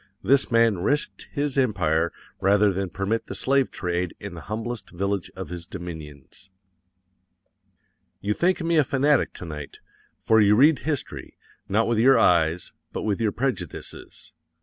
THIS MAN RISKED HIS EMPIRE rather than permit the slave trade in the humblest village of his dominions._ YOU THINK ME A FANATIC TO NIGHT, for you read history, _not with your eyes, BUT WITH YOUR PREJUDICES.